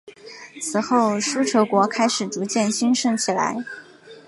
此后琉球国开始逐渐兴盛起来。